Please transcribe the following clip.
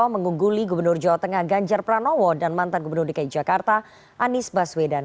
mengungguli gubernur jawa tengah ganjar pranowo dan mantan gubernur dki jakarta anies baswedan